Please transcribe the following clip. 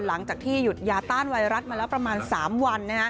หลังจากที่หยุดยาต้านไวรัสมาแล้วประมาณ๓วัน